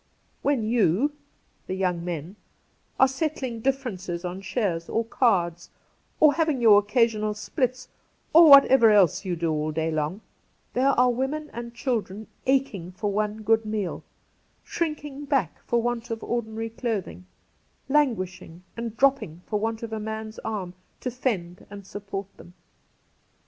'When you' (the young men) 'are settling differences on shares or cards, or having your occasional splits — or whatever else you do all day long — there are women and children aching for one good meal, shrinking back for want of ordinary clothing, languishing and dropping for want of a man's arm tp fend and support them.'